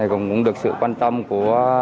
cũng được sự quan tâm của